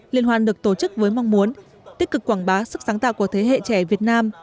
liên hoan được tổ chức với mong muốn tích cực quảng bá sức sáng tạo của thế hệ trẻ việt nam